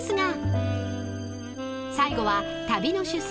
［最後は旅の主催